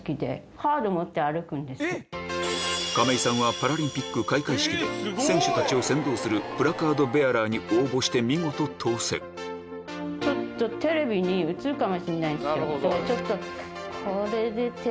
亀井さんはパラリンピック開会式で選手たちを先導するプラカードベアラーに応募して見事当選ちょっと。